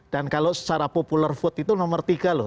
dan kalau secara popular vote itu nomor tiga loh